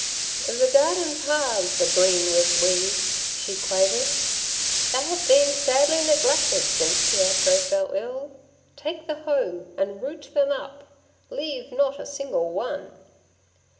'The garden paths are green with weeds,' she quavered; 'they have been sadly neglected since Pietro fell ill. Take the hoe, and root them up; leave not a single one.'